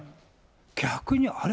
逆に、あれ？